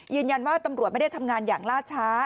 ยืนยันว่าตำรวจไม่ได้ทำงานอย่างลาดช้า